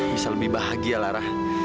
bisa lebih bahagia lara